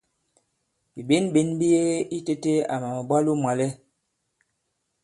Bìɓěnɓěn bi yege itēte àmà màbwalo mwàlɛ.